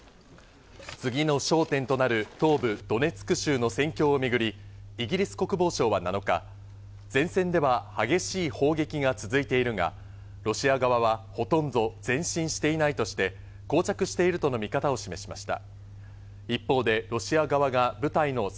次の焦点となる東部ドネツク州の戦況をめぐり、イギリス国防省は７日、前線では激しい砲撃が続いているが、ロシア側はほとんど前進していないとして、こう着しているとの見方を示しました。